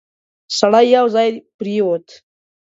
سړی یو ځای پرېووت.